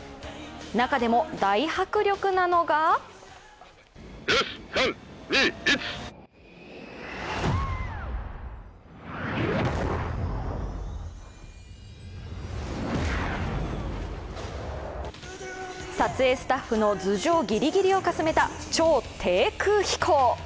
中でも大迫力なのが撮影スタッフの頭上ギリギリをかすめた、超低空飛行。